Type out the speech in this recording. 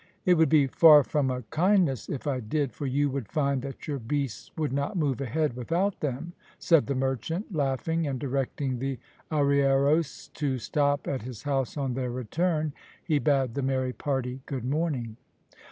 "It would be far from a kindness if I did, for you would find that your beasts would not move ahead without them," said the merchant, laughing, and directing the arrieros to stop at his house on their return, he bade the merry party good morning.